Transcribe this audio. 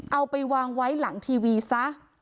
เอาไปวางไว้หลังทีวีซะ